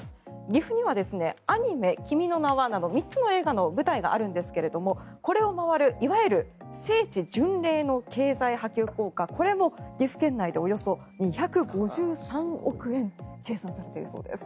岐阜にはアニメ「君の名は。」など３つの映画の舞台があるんですがこれを回るいわゆる聖地巡礼の経済波及効果これも岐阜県内でおよそ２５３億円だと計算されているそうです。